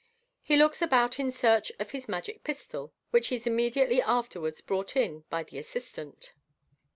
He looks about in search of his magic pistol, which is immediately after wards brought in by the assistant.